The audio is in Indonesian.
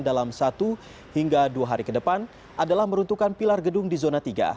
dalam satu hingga dua hari ke depan adalah meruntuhkan pilar gedung di zona tiga